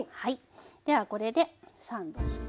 ではこれでサンドして。